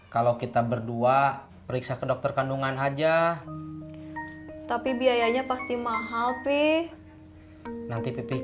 kalau kita berdua